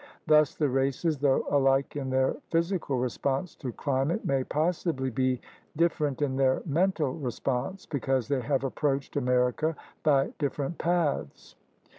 Thus the races, though alike in their phy sical response to climate, may possibly be differ ent in their mental response because they have approached America by different paths.